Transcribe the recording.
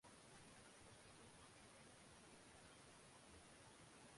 百分之十三的男性因遗精而初次体验射精。